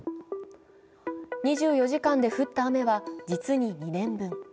２４時間で降った雨は実に２年分。